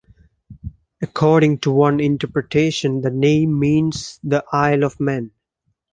According to one interpretation the name means the Isle of Men.